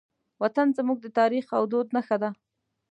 وطن زموږ د تاریخ او دود نښه ده.